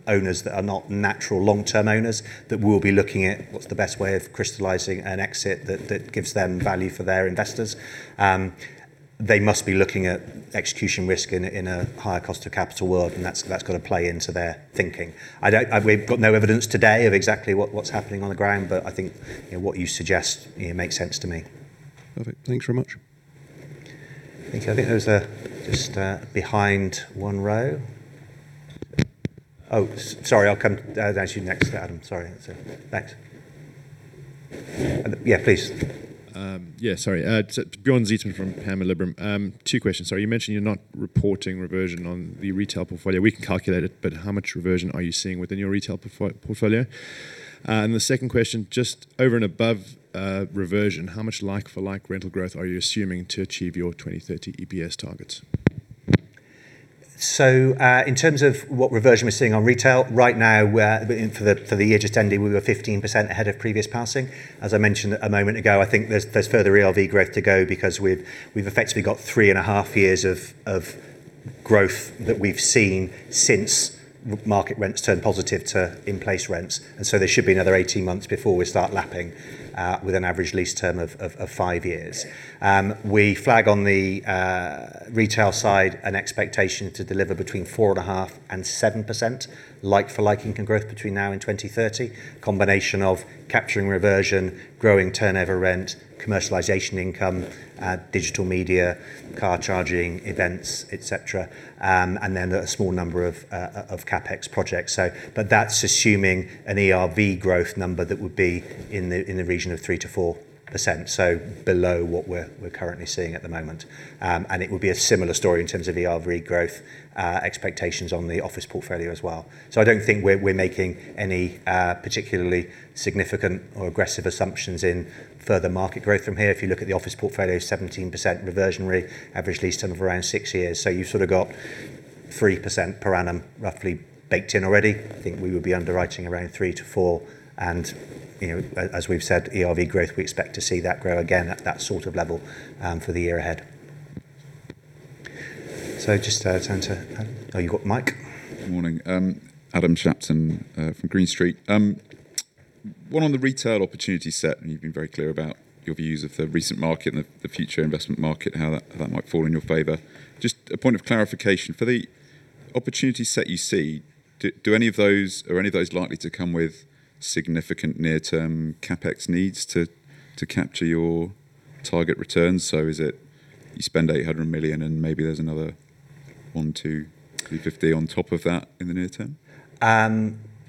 S1: owners that are not natural long-term owners that will be looking at what's the best way of crystallizing an exit that gives them value for their investors. They must be looking at execution risk in a higher cost of capital world, that's got to play into their thinking. We've got no evidence today of exactly what's happening on the ground, but I think, you know, what you suggest, you know, makes sense to me.
S4: Perfect. Thanks very much.
S1: Thank you. I think there was a just behind one row. Oh, sorry. That was you next, Adam. Sorry. That's it. Thanks. Yeah, please.
S5: It's Bjorn Zietsman from Panmure Liberum. Two questions. You mentioned you're not reporting reversion on the retail portfolio. We can calculate it, how much reversion are you seeing within your retail portfolio? The second question, just over and above reversion, how much like for like rental growth are you assuming to achieve your 2030 EPS targets?
S1: In terms of what reversion we're seeing on retail, right now, we're for the year just ending, we were 15% ahead of previous passing. As I mentioned a moment ago, I think there's further ERV growth to go because we've effectively got 3.5 years of growth that we've seen since market rents turned positive to in-place rents. There should be another 18 months before we start lapping with an average lease term of five years. We flag on the retail side an expectation to deliver between 4.5% and 7% like for like income growth between now and 2030. Combination of capturing reversion, growing turnover rent, commercialization income, digital media, car charging, events, et cetera, and then a small number of CapEx projects. That's assuming an ERV growth number that would be in the region of 3%-4%, below what we're currently seeing at the moment. It would be a similar story in terms of ERV growth expectations on the office portfolio as well. I don't think we're making any particularly significant or aggressive assumptions in further market growth from here. If you look at the office portfolio, 17% reversionary, average lease term of around six years. You've sort of got 3% per annum roughly baked in already. I think we would be underwriting around 3%-4%. You know, as we've said, ERV growth, we expect to see that grow again at that sort of level for the year ahead. Just turn to Adam. You've got Mike.
S6: Good morning. Adam Shapton from Green Street. One on the retail opportunity set, and you've been very clear about your views of the recent market and the future investment market, how that, how that might fall in your favor. Just a point of clarification. For the opportunity set you see, are any of those likely to come with significant near-term CapEx needs to capture your target returns? So is it you spend 800 million and maybe there's another 100 million-250 million on top of that in the near-term?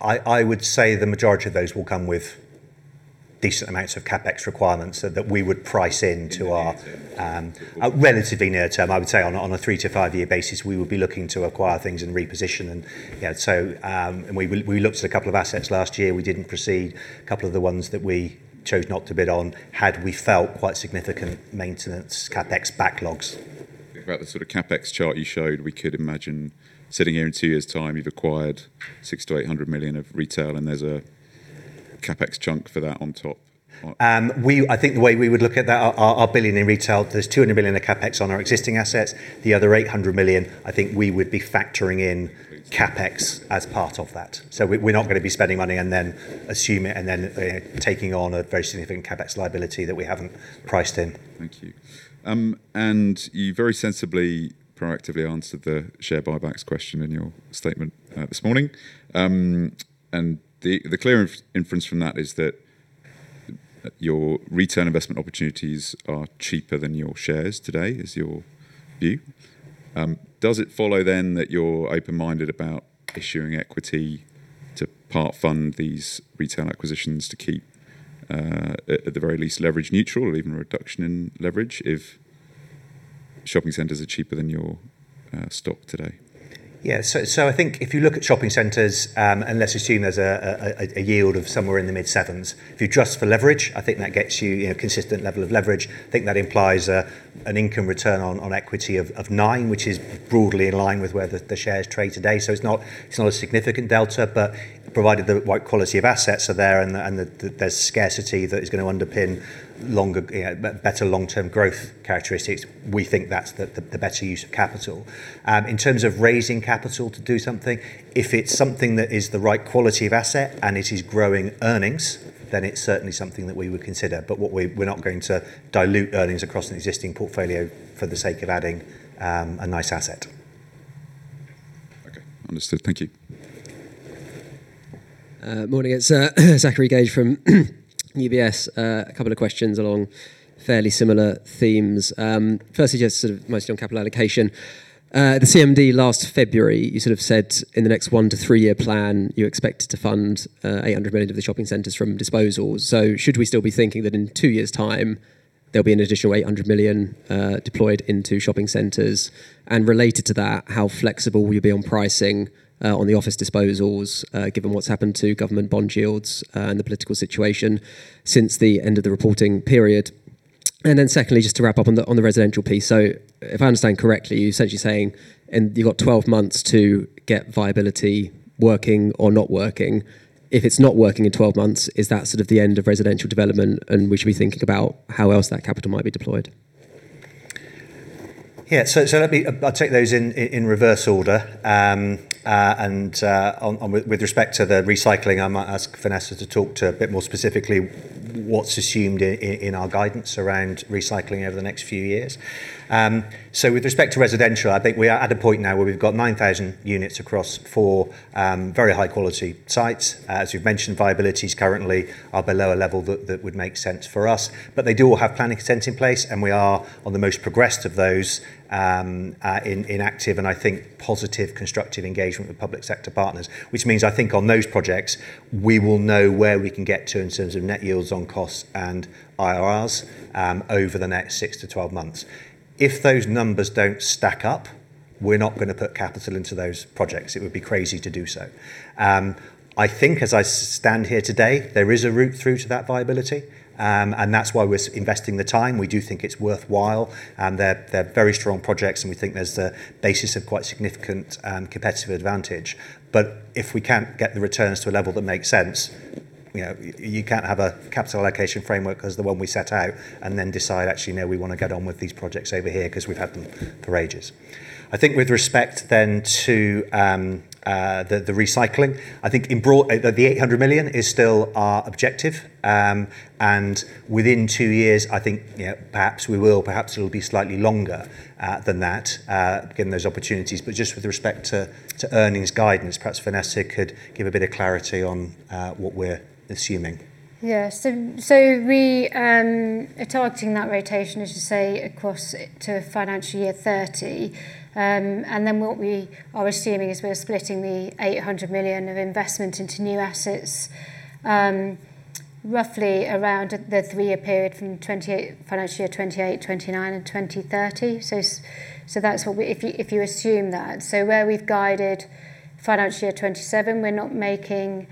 S1: I would say the majority of those will come with decent amounts of CapEx requirements that we would price into our.
S6: In the near-term.
S1: relatively near-term, I would say on a, on a three- to five-year basis, we would be looking to acquire things and reposition and, you know, so, and we looked at a couple of assets last year. We didn't proceed. Couple of the ones that we chose not to bid on had, we felt, quite significant maintenance CapEx backlogs.
S6: About the sort of CapEx chart you showed, we could imagine sitting here in two years' time, you've acquired 600 million-800 million of retail, and there's a CapEx chunk for that on top.
S1: I think the way we would look at that, our 1 billion in retail, there's 200 million of CapEx on our existing assets. The other 800 million, I think we would be factoring in CapEx as part of that. We're not gonna be spending money and then taking on a very significant CapEx liability that we haven't priced in.
S6: Thank you. You very sensibly, proactively answered the share buybacks question in your statement this morning. The clear inference from that is that your return investment opportunities are cheaper than your shares today, is your view. Does it follow then that you're open-minded about issuing equity to part fund these retail acquisitions to keep at the very least leverage neutral or even a reduction in leverage if shopping centers are cheaper than your stock today?
S1: Yeah. So I think if you look at shopping centers, and let's assume there's a yield of somewhere in the mid-sevens. If you adjust for leverage, I think that gets you know, consistent level of leverage. I think that implies an income return on equity of nine, which is broadly in line with where the shares trade today. It's not a significant delta, but provided the right quality of assets are there and the there's scarcity that is gonna underpin longer, you know, better long-term growth characteristics, we think that's the better use of capital. In terms of raising capital to do something, if it's something that is the right quality of asset and it is growing earnings, then it's certainly something that we would consider. We're not going to dilute earnings across an existing portfolio for the sake of adding a nice asset.
S6: Okay. Understood. Thank you.
S7: Morning. It's Zachary Gauge from UBS. A couple of questions along fairly similar themes. Firstly, mostly on capital allocation. The CMD last February, you said in the next one to three-year plan, you expect to fund 800 million of the shopping centers from disposals. Should we still be thinking that in two years' time there'll be an additional 800 million deployed into shopping centers? Related to that, how flexible will you be on pricing on the office disposals, given what's happened to government bond yields and the political situation since the end of the reporting period? Then secondly, just to wrap up on the residential piece. If I understand correctly, you're essentially saying, and you've got 12 months to get viability working or not working. If it's not working in 12 months, is that sort of the end of residential development, and we should be thinking about how else that capital might be deployed?
S1: Yeah. I'll take those in reverse order. With respect to the recycling, I might ask Vanessa to talk to a bit more specifically what's assumed in our guidance around recycling over the next few years. With respect to residential, I think we are at a point now where we've got 9,000 units across four very high quality sites. As we've mentioned, viabilities currently are below a level that would make sense for us. They do all have planning consents in place, and we are on the most progressed of those in active and I think positive constructive engagement with public sector partners. I think on those projects, we will know where we can get to in terms of net yields on costs and IRRs over the next six to 12 months. If those numbers don't stack up, we're not gonna put capital into those projects. It would be crazy to do so. I think as I stand here today, there is a route through to that viability, that's why we're investing the time. We do think it's worthwhile, they're very strong projects, we think there's the basis of quite significant competitive advantage. If we can't get the returns to a level that makes sense, you know, you can't have a capital allocation framework as the one we set out then decide, actually, no, we wanna get on with these projects over here because we've had them for ages. I think with respect then to the recycling, I think the 800 million is still our objective. Within two years, I think, you know, perhaps we will. Perhaps it'll be slightly longer than that, given those opportunities. Just with respect to earnings guidance, perhaps Vanessa could give a bit of clarity on what we're assuming.
S2: Yeah. We are targeting that rotation, as you say, across to financial year 2030. What we are assuming is we're splitting the 800 million of investment into new assets, roughly around the three-year period from financial year 2028, 2029 and 2030. That's what we, if you assume that. Where we've guided financial year 2027, we're not making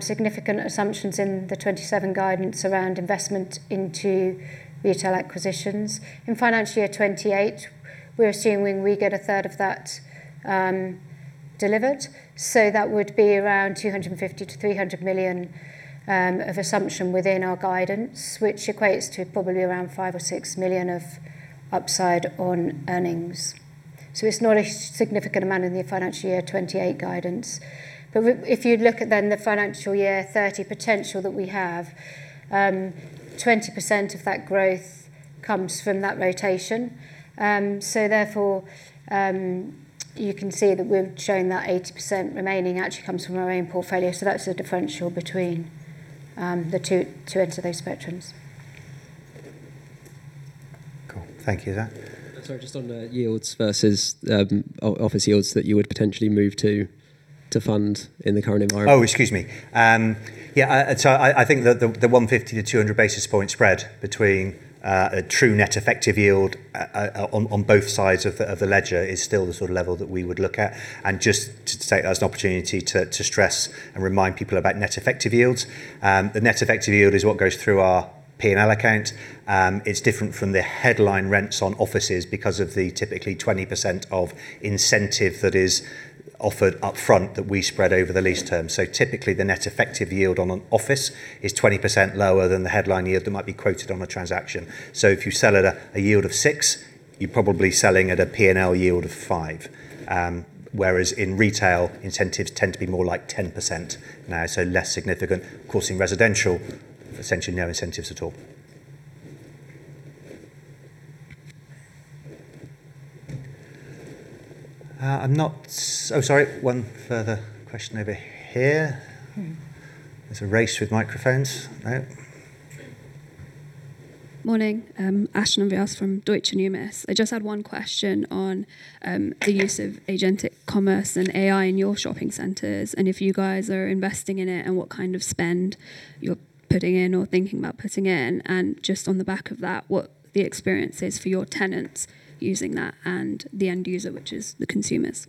S2: significant assumptions in the 2027 guidance around investment into retail acquisitions. In financial year 2028, we're assuming we get a third of that delivered. That would be around 250 million-300 million of assumption within our guidance, which equates to probably around 5 million or 6 million of upside on earnings. It's not a significant amount in the financial year 2028 guidance. If you look at then the financial year 2030 potential that we have, 20% of that growth comes from that rotation. Therefore, you can see that we've shown that 80% remaining actually comes from our own portfolio. That's the differential between the two ends of those spectrums.
S1: Thank you. Zach?
S7: Sorry, just on the yields versus office yields that you would potentially move to fund in the current environment.
S1: Excuse me. I think that the 150-200 basis point spread between a true net effective yield on both sides of the ledger is still the sort of level that we would look at. Just to take that as an opportunity to stress and remind people about net effective yields. The net effective yield is what goes through our P&L account. It's different from the headline rents on offices because of the typically 20% of incentive that is offered upfront that we spread over the lease term. Typically, the net effective yield on an office is 20% lower than the headline yield that might be quoted on a transaction. If you sell at a yield of six, you're probably selling at a P&L yield of five. Whereas in retail, incentives tend to be more like 10% now, so less significant. Of course, in residential, essentially no incentives at all. Oh, sorry, one further question over here. There's a race with microphones. No.
S8: Morning. Ashnaa Vyas from Deutsche Numis. I just had one question on the use of agentic commerce and AI in your shopping centers, and if you guys are investing in it and what kind of spend you're putting in or thinking about putting in. Just on the back of that, what the experience is for your tenants using that and the end user, which is the consumers.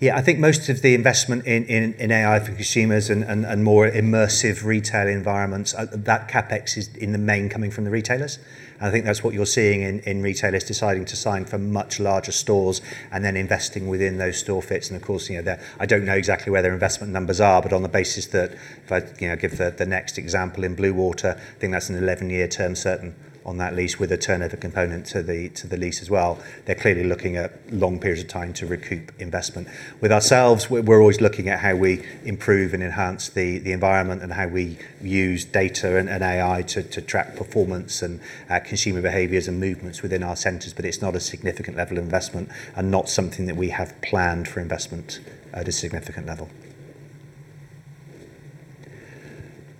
S1: Yeah. I think most of the investment in AI for consumers and more immersive retail environments, that CapEx is in the main coming from the retailers. I think that's what you're seeing in retailers deciding to sign for much larger stores and then investing within those store fits. Of course, you know, I don't know exactly where their investment numbers are, but on the basis that if I, you know, give the next example in Bluewater, I think that's an 11-year term certain on that lease with a turnover component to the lease as well. They're clearly looking at long periods of time to recoup investment. With ourselves, we're always looking at how we improve and enhance the environment and how we use data and AI to track performance and consumer behaviors and movements within our centers, but it's not a significant level of investment and not something that we have planned for investment at a significant level.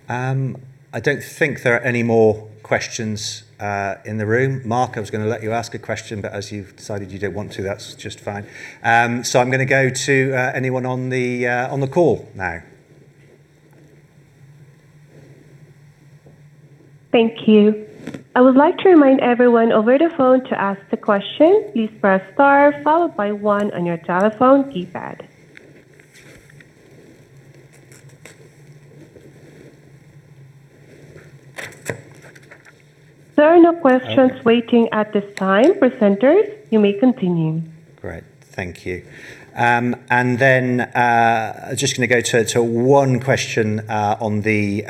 S1: I don't think there are any more questions in the room. Mark, I was gonna let you ask a question, but as you've decided you don't want to, that's just fine. I'm gonna go to anyone on the call now.
S9: Thank you. I would like to remind everyone over the phone to ask the question. Please press star one on your telephone keypad. There are no questions.
S1: Okay
S9: waiting at this time. Presenters, you may continue.
S1: Great. Thank you. Just going to go to one question on the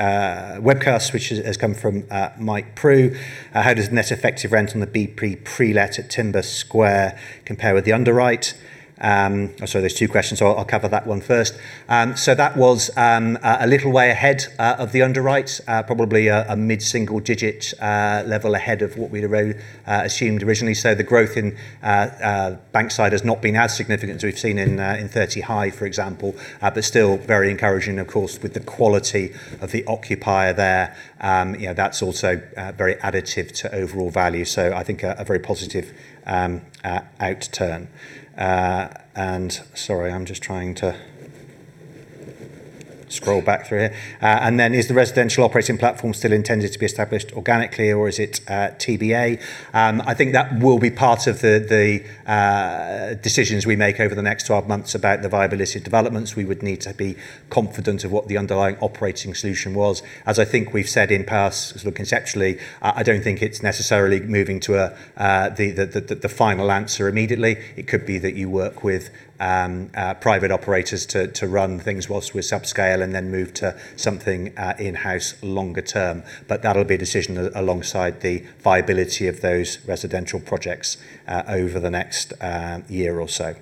S1: webcast, which has come from Mike Pr. How does net effective rent on the BP pre-let at Timber Square compare with the underwrite? There's two questions. I'll cover that one first. That was a little way ahead of the underwrite. Probably a mid-single digit level ahead of what we'd assumed originally. The growth in Bankside has not been as significant as we've seen in Thirty High, for example. Still very encouraging, of course, with the quality of the occupier there. You know, that's also very additive to overall value. I think a very positive outturn. Sorry, I'm just trying to scroll back through here. Then is the residential operating platform still intended to be established organically or is it TBA? I think that will be part of the decisions we make over the next 12 months about the viability of developments. We would need to be confident of what the underlying operating solution was. As I think we've said in past, sort of conceptually, I don't think it's necessarily moving to the final answer immediately. It could be that you work with private operators to run things whilst we subscale and then move to something in-house longer-term. That'll be a decision alongside the viability of those residential projects over the next year or so.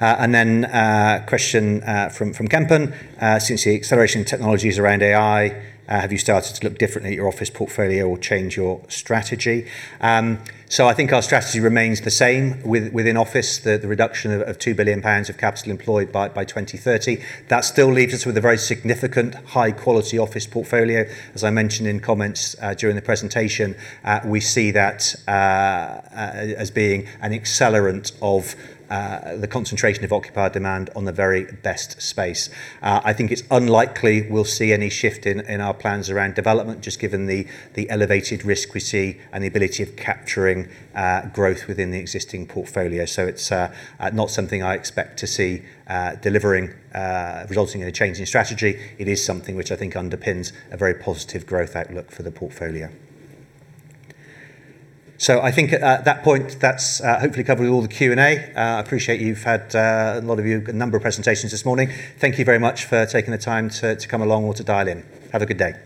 S1: Then a question from Kempen. Since the acceleration in technologies around AI, have you started to look differently at your office portfolio or change your strategy? I think our strategy remains the same within office, the reduction of 2 billion pounds of capital employed by 2030. That still leaves us with a very significant high quality office portfolio. As I mentioned in comments during the presentation, we see that as being an accelerant of the concentration of occupied demand on the very best space. I think it's unlikely we'll see any shift in our plans around development just given the elevated risk we see and the ability of capturing growth within the existing portfolio. It's not something I expect to see delivering resulting in a change in strategy. It is something which I think underpins a very positive growth outlook for the portfolio. I think at that point, that's hopefully covering all the Q&A. I appreciate you've had a lot of you, a number of presentations this morning. Thank you very much for taking the time to come along or to dial in. Have a good day.